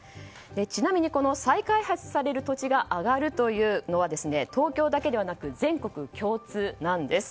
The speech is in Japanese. ちなみにこの再開発される土地が上がるというのは東京だけではなく全国共通なんです。